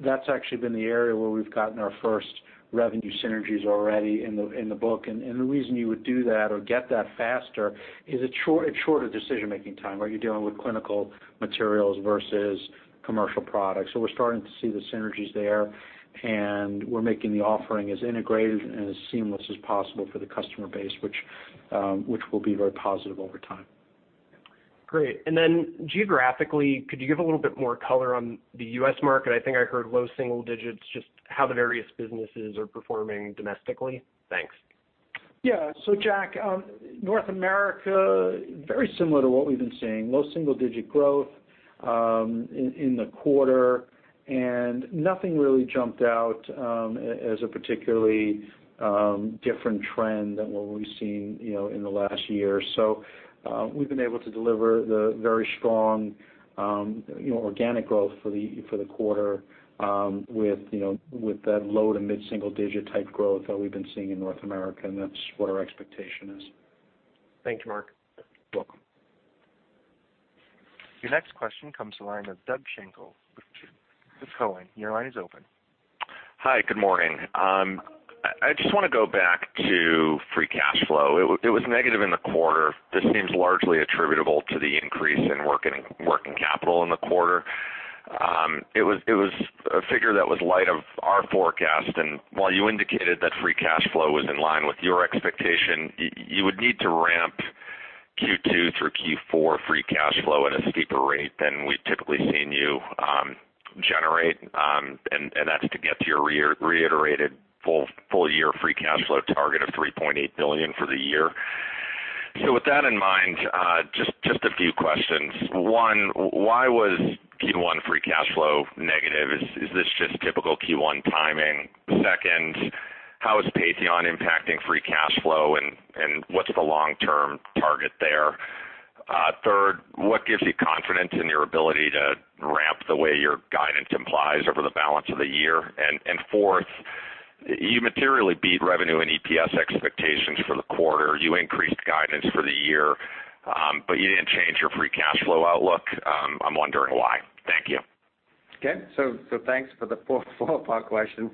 That's actually been the area where we've gotten our first revenue synergies already in the book. The reason you would do that or get that faster is it's shorter decision-making time, where you're dealing with clinical materials versus commercial products. We're starting to see the synergies there, and we're making the offering as integrated and as seamless as possible for the customer base, which will be very positive over time. Great. Geographically, could you give a little bit more color on the U.S. market? I think I heard low single digits, just how the various businesses are performing domestically. Thanks. Yeah. Jack, North America, very similar to what we've been seeing. Low single-digit growth in the quarter, and nothing really jumped out as a particularly different trend than what we've seen in the last year. We've been able to deliver the very strong organic growth for the quarter with that low to mid-single digit type growth that we've been seeing in North America, and that's what our expectation is. Thank you, Mark. Welcome. Your next question comes to the line of Doug Schenkel with Cowen. Your line is open. Hi, good morning. I just want to go back to free cash flow. It was negative in the quarter. This seems largely attributable to the increase in working capital in the quarter. It was a figure that was light of our forecast, and while you indicated that free cash flow was in line with your expectation, you would need to ramp Q2 through Q4 free cash flow at a steeper rate than we've typically seen you generate. That's to get to your reiterated full-year free cash flow target of $3.8 billion for the year. With that in mind, just a few questions. One, why was Q1 free cash flow negative? Is this just typical Q1 timing? Second, how is Patheon impacting free cash flow, and what's the long-term target there? Third, what gives you confidence in your ability to ramp the way your guidance implies over the balance of the year? Fourth, you materially beat revenue and EPS expectations for the quarter. You increased guidance for the year, but you didn't change your free cash flow outlook. I'm wondering why. Thank you. Thanks for the four-part question.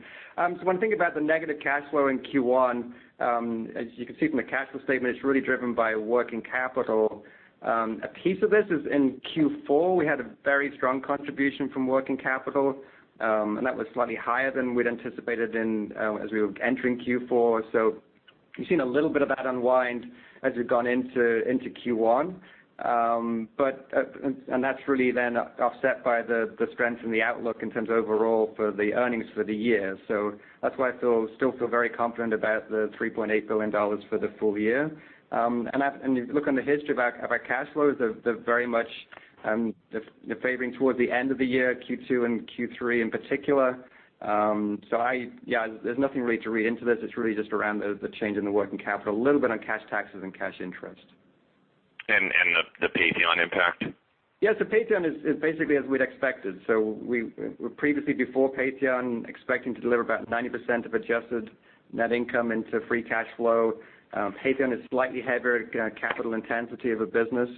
When thinking about the negative cash flow in Q1, as you can see from the cash flow statement, it's really driven by working capital. A piece of this is in Q4, we had a very strong contribution from working capital, and that was slightly higher than we'd anticipated as we were entering Q4. You've seen a little bit of that unwind as we've gone into Q1. That's really then offset by the strength in the outlook in terms of overall for the earnings for the year. That's why I still feel very confident about the $3.8 billion for the full year. If you look on the history of our cash flows, they're very much favoring towards the end of the year, Q2 and Q3 in particular. There's nothing really to read into this. It's really just around the change in the working capital, a little bit on cash taxes and cash interest. The Patheon impact? Yeah. Patheon is basically as we'd expected. We were previously, before Patheon, expecting to deliver about 90% of adjusted net income into free cash flow. Patheon is slightly heavier capital intensity of a business.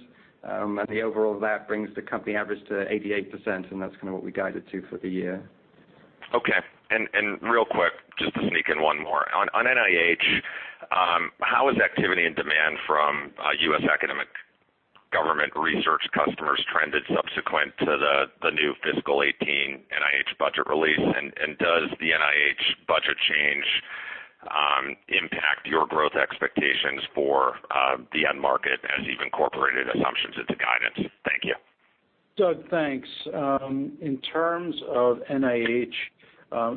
The overall of that brings the company average to 88%, and that's kind of what we guided to for the year. Okay. Real quick, just to sneak in one more. On NIH, how has activity and demand from U.S. academic government research customers trended subsequent to the new fiscal 2018 NIH budget release? Does the NIH budget change impact your growth expectations for the end market as you've incorporated assumptions into guidance? Thank you. Doug, thanks. In terms of NIH,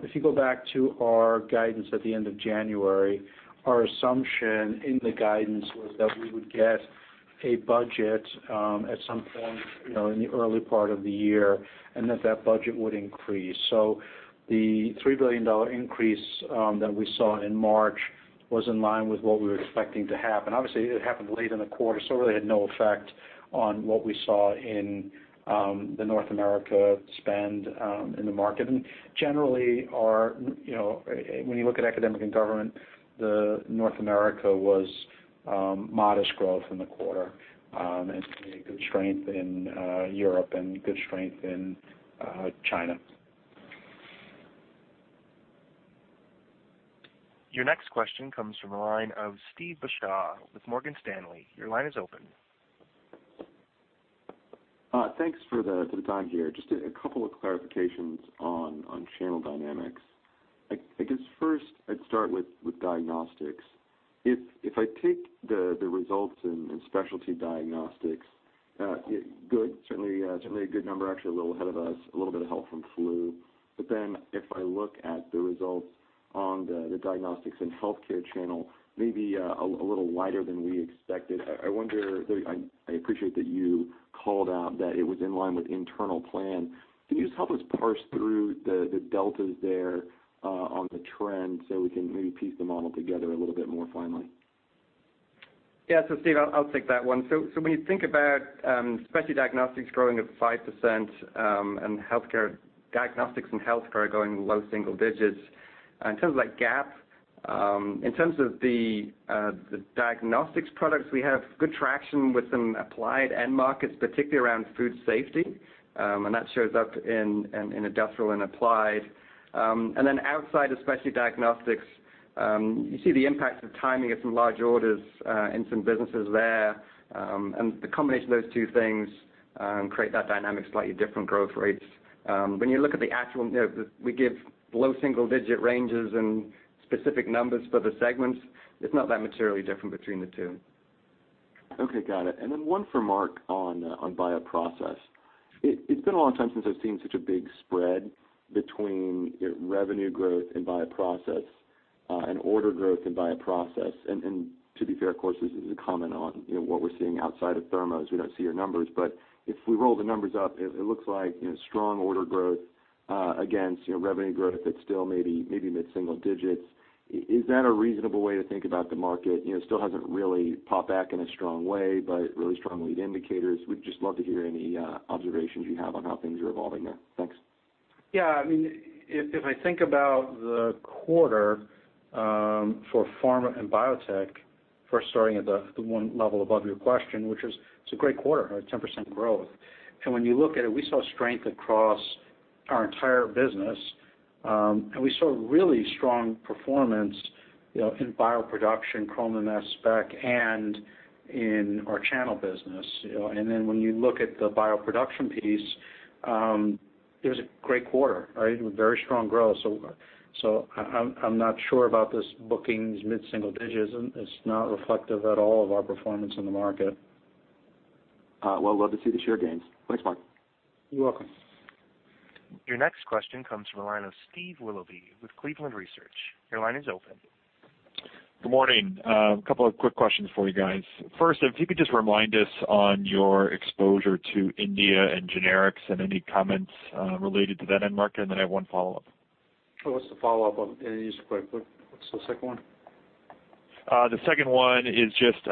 if you go back to our guidance at the end of January, our assumption in the guidance was that we would get a budget at some point in the early part of the year, and that budget would increase. The $3 billion increase that we saw in March was in line with what we were expecting to happen. Obviously, it happened late in the quarter, so it really had no effect on what we saw in the North America spend in the market. Generally, when you look at academic and government, North America was modest growth in the quarter, and good strength in Europe and good strength in China. Your next question comes from the line of Steve Beuchaw with Morgan Stanley. Your line is open. Thanks for the time here. Just a couple of clarifications on channel dynamics. I guess first I'd start with diagnostics. If I take the results in Specialty Diagnostics, good, certainly a good number, actually a little ahead of us, a little bit of help from flu. If I look at the results on the diagnostics and healthcare channel, maybe a little wider than we expected. I appreciate that you called out that it was in line with internal plan. Can you just help us parse through the deltas there on the trend so we can maybe piece the model together a little bit more finely? Yeah. Steve, I'll take that one. When you think about Specialty Diagnostics growing at 5%, and diagnostics in healthcare going low single digits, in terms of that gap, in terms of the diagnostics products, we have good traction with some applied end markets, particularly around food safety. That shows up in industrial and applied. Outside of Specialty Diagnostics, you see the impact of timing of some large orders in some businesses there. The combination of those two things create that dynamic, slightly different growth rates. When you look at the actual, we give low single-digit ranges and specific numbers for the segments. It's not that materially different between the two. Okay. Got it. One for Mark on bioprocess. It's been a long time since I've seen such a big spread between revenue growth and bioprocess, and order growth and bioprocess. To be fair, of course, this is a comment on what we're seeing outside of Thermo, as we don't see your numbers. If we roll the numbers up, it looks like strong order growth against revenue growth that's still maybe mid-single digits. Is that a reasonable way to think about the market? It still hasn't really popped back in a strong way, but really strong lead indicators. We'd just love to hear any observations you have on how things are evolving there. Yeah, if I think about the quarter for pharma and biotech, first starting at the one level above your question, which is, it's a great quarter, 10% growth. When you look at it, we saw strength across our entire business, and we saw really strong performance in bioproduction, chromatography and mass spectrometry, and in our channel business. When you look at the bioproduction piece, it was a great quarter. Very strong growth. I'm not sure about this bookings mid-single digits. It's not reflective at all of our performance in the market. Well, love to see the share gains. Thanks, Mark. You're welcome. Your next question comes from the line of Steve Willoughby with Cleveland Research. Your line is open. Good morning. A couple of quick questions for you guys. First, if you could just remind us on your exposure to India and generics and any comments related to that end market, and then I have one follow-up. What's the follow-up on? Just quick, what's the second one? The second one is just,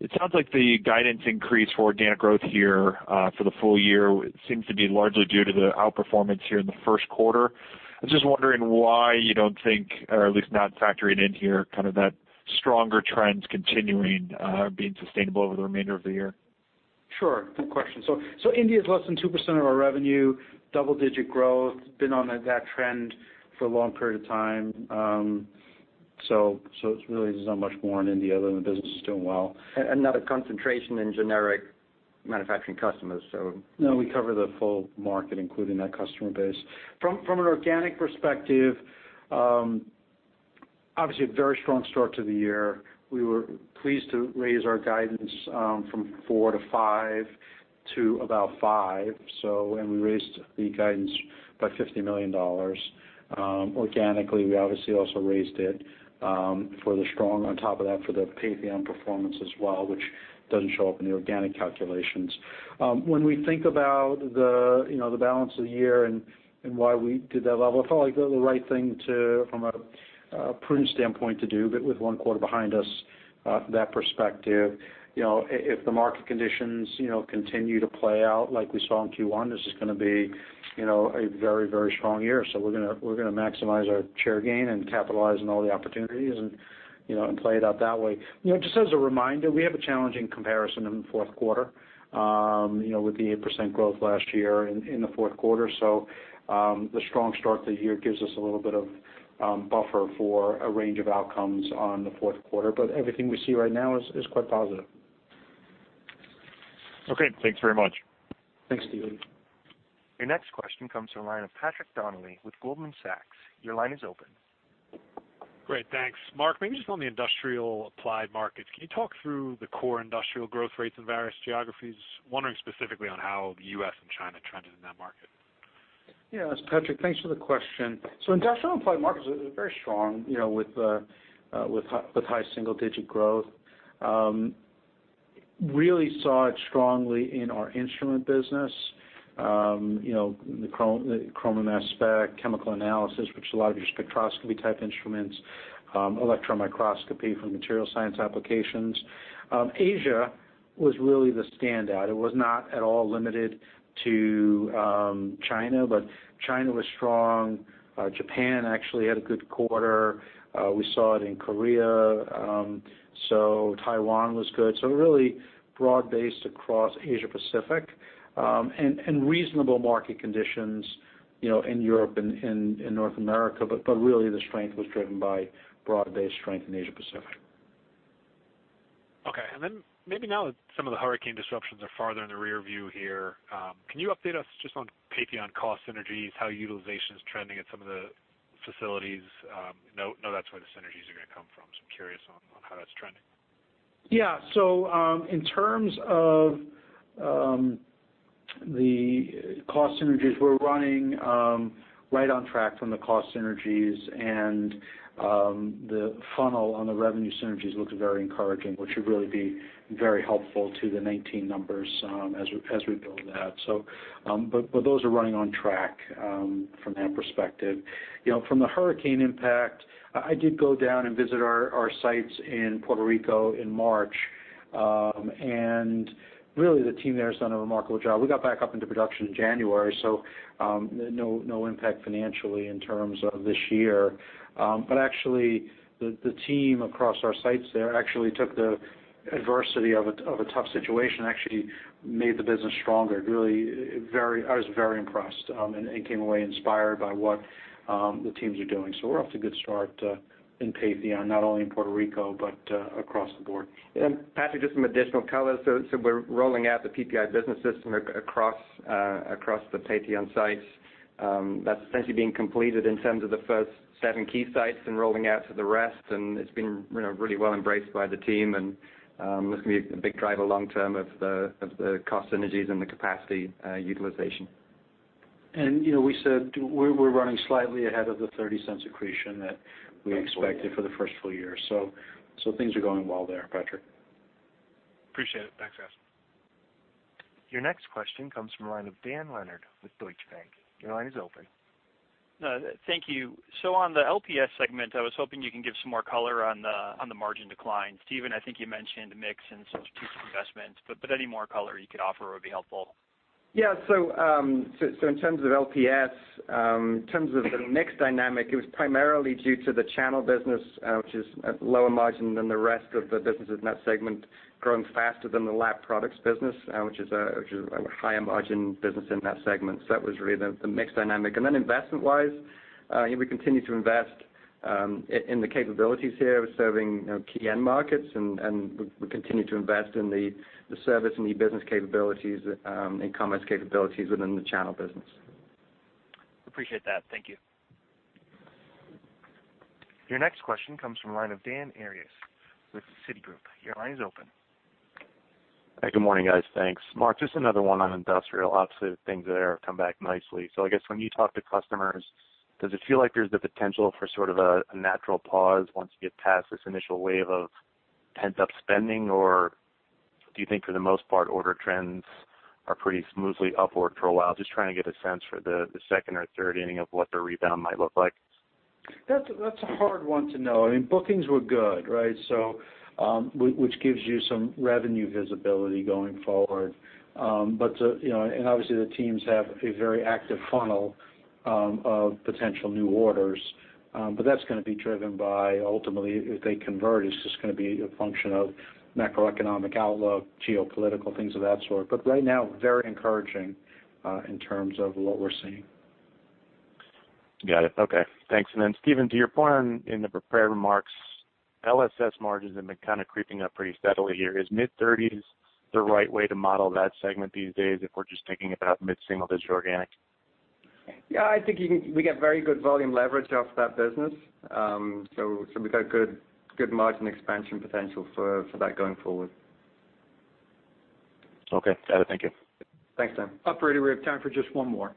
it sounds like the guidance increase for organic growth here for the full year seems to be largely due to the outperformance here in the first quarter. I'm just wondering why you don't think, or at least not factoring in here, that stronger trends continuing being sustainable over the remainder of the year. Sure. Good question. India is less than 2% of our revenue, double-digit growth, been on that trend for a long period of time. It's really there's not much more in India other than the business is doing well. Not a concentration in generic manufacturing customers. No, we cover the full market, including that customer base. From an organic perspective, obviously a very strong start to the year. We were pleased to raise our guidance from four to five to about five. We raised the guidance by $50 million. Organically, we obviously also raised it for the strong, on top of that, for the Patheon performance as well, which doesn't show up in the organic calculations. When we think about the balance of the year and why we did that level, it felt like the right thing from a prudence standpoint to do. If the market conditions continue to play out like we saw in Q1, this is going to be a very strong year. We're going to maximize our share gain and capitalize on all the opportunities and play it out that way. Just as a reminder, we have a challenging comparison in the fourth quarter, with the 8% growth last year in the fourth quarter. The strong start to the year gives us a little bit of buffer for a range of outcomes on the fourth quarter. Everything we see right now is quite positive. Okay. Thanks very much. Thanks, Steve. Your next question comes from the line of Patrick Donnelly with Goldman Sachs. Your line is open. Great. Thanks. Mark, maybe just on the industrial applied markets, can you talk through the core industrial growth rates in various geographies? Wondering specifically on how the U.S. and China trended in that market. Yes, Patrick, thanks for the question. Industrial applied markets are very strong, with high single-digit growth. Really saw it strongly in our instrument business. The chroma mass spec, chemical analysis, which is a lot of your spectroscopy type instruments, electron microscopy for material science applications. Asia was really the standout. It was not at all limited to China, but China was strong. Japan actually had a good quarter. We saw it in Korea. Taiwan was good. Really broad-based across Asia Pacific. Reasonable market conditions in Europe and in North America. Really the strength was driven by broad-based strength in Asia Pacific. Okay. Maybe now that some of the hurricane disruptions are farther in the rear view here, can you update us just on Patheon cost synergies, how utilization is trending at some of the facilities? I know that's where the synergies are going to come from, I'm curious on how that's trending. Yeah. In terms of the cost synergies, we're running right on track from the cost synergies, the funnel on the revenue synergies looks very encouraging, which should really be very helpful to the 2019 numbers as we build that. Those are running on track from that perspective. From the hurricane impact, I did go down and visit our sites in Puerto Rico in March, really the team there has done a remarkable job. We got back up into production in January, no impact financially in terms of this year. Actually, the team across our sites there actually took the adversity of a tough situation and actually made the business stronger. I was very impressed and came away inspired by what the teams are doing. We're off to a good start in Patheon, not only in Puerto Rico, but across the board. Patrick, just some additional color. We're rolling out the PPI business system across the Patheon sites. That's essentially being completed in terms of the first seven key sites and rolling out to the rest. It's been really well embraced by the team and looking to be a big driver long term of the cost synergies and the capacity utilization. We said we're running slightly ahead of the $0.30 accretion that we expected for the first full year. Things are going well there, Patrick. Appreciate it. Thanks, guys. Your next question comes from the line of Dan Leonard with Deutsche Bank. Your line is open. No, thank you. On the LPS segment, I was hoping you can give some more color on the margin decline. Stephen Williamson, I think you mentioned mix and some strategic investments, any more color you could offer would be helpful. Yeah. In terms of LPS, in terms of the mix dynamic, it was primarily due to the channel business, which is lower margin than the rest of the businesses in that segment, growing faster than the lab products business, which is a higher margin business in that segment. That was really the mix dynamic. Investment-wise, we continue to invest in the capabilities here of serving key end markets, we continue to invest in the service and e-business capabilities, and commerce capabilities within the channel business. Appreciate that. Thank you. Your next question comes from the line of Dan Arias with Citigroup. Your line is open. Hi, good morning, guys. Thanks. Marc, just another one on industrial. Obviously, things there have come back nicely. I guess when you talk to customers, does it feel like there's the potential for sort of a natural pause once you get past this initial wave of pent-up spending, or do you think, for the most part, order trends are pretty smoothly upward for a while? Just trying to get a sense for the second or third inning of what the rebound might look like. That's a hard one to know. Bookings were good, which gives you some revenue visibility going forward. Obviously, the teams have a very active funnel of potential new orders, but that's going to be driven by, ultimately, if they convert, it's just going to be a function of macroeconomic outlook, geopolitical, things of that sort. Right now, very encouraging in terms of what we're seeing. Got it. Okay. Thanks. Then Stephen, to your point in the prepared remarks, LSS margins have been kind of creeping up pretty steadily here. Is mid-30s the right way to model that segment these days if we're just thinking about mid-single-digit organic? Yeah, I think we get very good volume leverage off that business. We've got good margin expansion potential for that going forward. Okay, got it. Thank you. Thanks, Dan. Operator, we have time for just one more.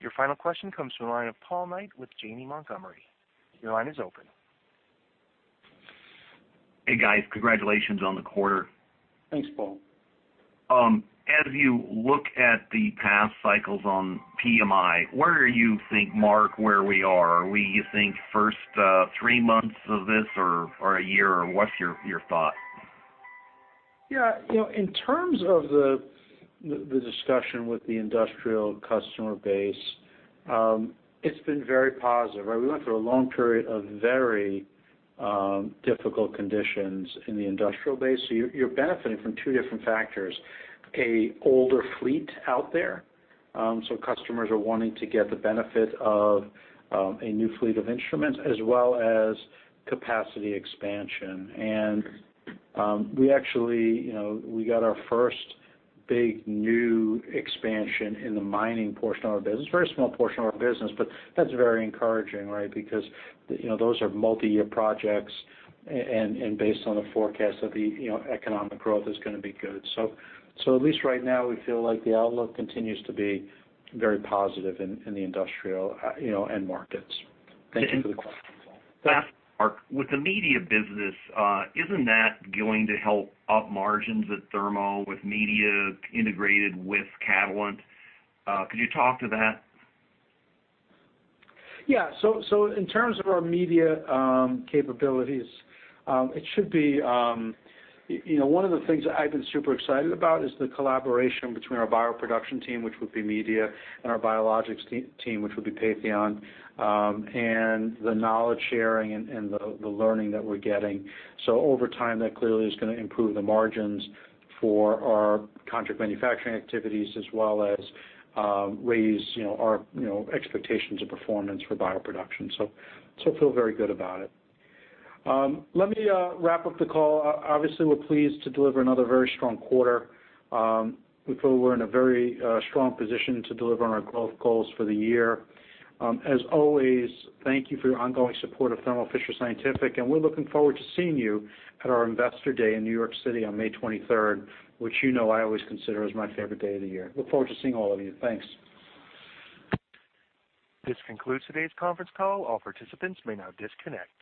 Your final question comes from the line of Paul Knight with Janney Montgomery. Your line is open. Hey, guys. Congratulations on the quarter. Thanks, Paul. As you look at the past cycles on PMI, where do you think, Mark, where we are? Are we, you think, first three months of this or a year, or what's your thought? Yeah. In terms of the discussion with the industrial customer base, it's been very positive. We went through a long period of very difficult conditions in the industrial base. You're benefiting from two different factors. A older fleet out there, so customers are wanting to get the benefit of a new fleet of instruments, as well as capacity expansion. We actually got our first big new expansion in the mining portion of our business. Very small portion of our business, but that's very encouraging, because those are multi-year projects, based on the forecast of the economic growth, is going to be good. At least right now, we feel like the outlook continues to be very positive in the industrial end markets. Thank you for the question, Paul. Last, Mark, with the media business, isn't that going to help up margins at Thermo with media integrated with Catalent? Could you talk to that? Yeah. In terms of our media capabilities, one of the things that I've been super excited about is the collaboration between our bioproduction team, which would be media, and our biologics team, which would be Patheon, and the knowledge sharing and the learning that we're getting. Over time, that clearly is going to improve the margins for our contract manufacturing activities as well as raise our expectations of performance for bioproduction. Feel very good about it. Let me wrap up the call. Obviously, we're pleased to deliver another very strong quarter. We feel we're in a very strong position to deliver on our growth goals for the year. As always, thank you for your ongoing support of Thermo Fisher Scientific, and we're looking forward to seeing you at our Investor Day in New York City on May 23rd, which you know I always consider as my favorite day of the year. Look forward to seeing all of you. Thanks. This concludes today's conference call. All participants may now disconnect.